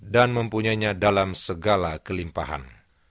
dan mempunyainya dalam segala kelimpahan